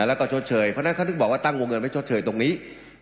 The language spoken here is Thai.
แล้วก็ชดเชยเพราะฉะนั้นเขาถึงบอกว่าตั้งวงเงินไว้ชดเชยตรงนี้